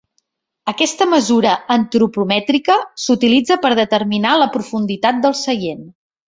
Aquesta mesura antropomètrica s'utilitza per determinar la profunditat del seient.